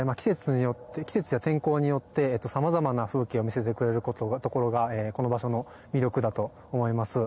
季節や天候によってさまざまな風景を見せてくれるところがこの場所の魅力だと思います。